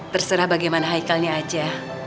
terserah bagaimana haikal nya aja